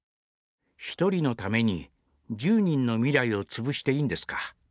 １人のために１０人の未来を潰していいんですか。